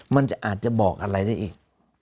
มันอาจจะบอกอะไรได้อีก